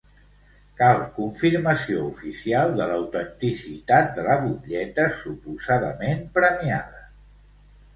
Cal confirmació oficial de l'autenticitat de la butlleta suposadament premiada.